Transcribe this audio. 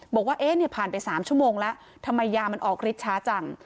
บอกว่าเอ๊ะเนี่ยผ่านไป๓ชั่วโมงแล้วทำไมยามันออกฤทธิ์ช้าจัง